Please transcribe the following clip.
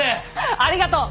ありがとう！